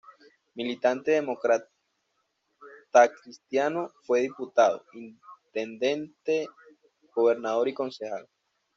Militante demócratacristiano, fue diputado, intendente, gobernador y concejal.